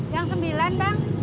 yang sembilan bang